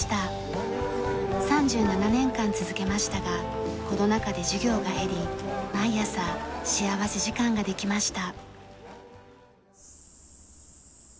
３７年間続けましたがコロナ禍で授業が減り毎朝幸福時間ができました。